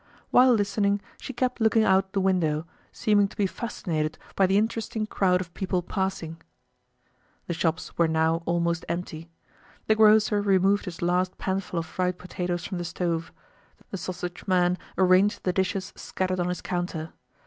While listening, she kept looking out the window, seeming to be fascinated by the interesting crowd of people passing. The shops were now almost empty. The grocer removed his last panful of fried potatoes from the stove. The sausage man arranged the dishes scattered on his counter.